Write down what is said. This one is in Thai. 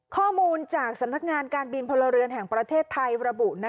ข้อมูลจากสำนักงานการบินพลเรือนแห่งประเทศไทยระบุ